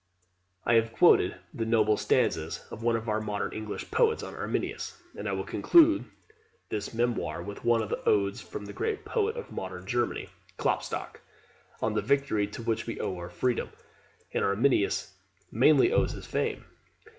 I have quoted the noble stanzas of one of our modern English poets on Arminius, and I will conclude this memoir with one of the odes of the great poet of modern Germany, Klopstock, on the victory to which we owe our freedom, and Arminius mainly owes his fame.